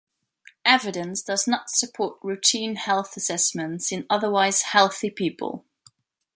Evidence does not support routine health assessments in otherwise healthy people.